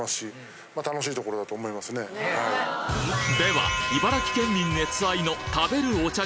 では茨城県民熱愛の食べるお茶